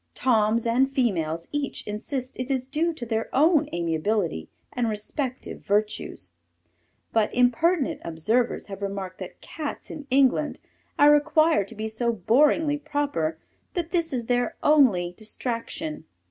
Toms and females each insist it is due to their own amiability and respective virtues. But impertinent observers have remarked that Cats in England are required to be so boringly proper that this is their only distraction.